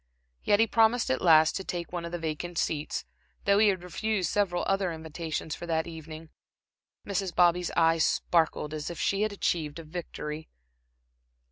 Yet he promised at last to take one of the vacant seats, though he had refused several other invitations for that evening. Mrs. Bobby's eyes sparkled as if she had achieved a victory.